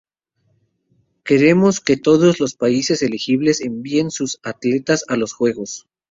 Queremos que todos los países elegibles envíen sus atletas a los Juegos.